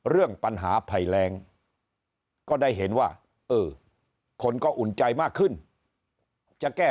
เรื่องปัญหาภัยแรงก็ได้เห็นว่าเออคนก็อุ่นใจมากขึ้นจะแก้